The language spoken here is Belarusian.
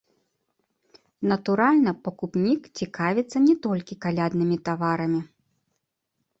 Натуральна, пакупнік цікавіцца не толькі каляднымі таварамі.